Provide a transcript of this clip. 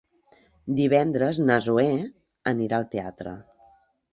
Divendres na Zoè anirà al teatre.